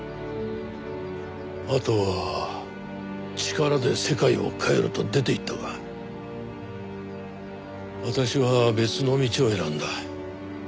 阿藤は力で世界を変えると出ていったが私は別の道を選んだ。